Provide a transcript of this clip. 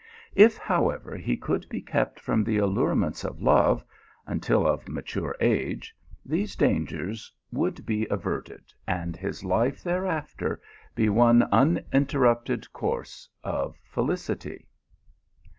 If, however, he could be kept from the allurements of love until of mature age, these dangers would be averted, and his life thereafter be one uninterrupted course of felicity.